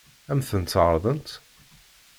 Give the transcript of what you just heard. Ad m-tent-ɛeṛḍent?